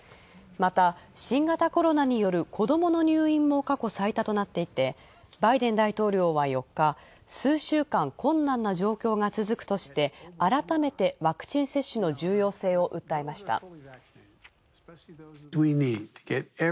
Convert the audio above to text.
また新型コロナによる子供の入院も過去最多となっていてバイデン大統領は４日、数週間困難な状況が続くとして改めてワクチン接種の重要性を訴えました。